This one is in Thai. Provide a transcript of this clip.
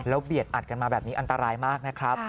เบียดอัดกันมาแบบนี้อันตรายมากนะครับ